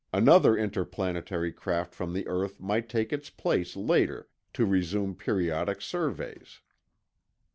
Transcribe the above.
Another interplanetary craft from the earth might take its place later to resume periodic surveys.